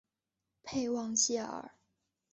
佩旺谢尔。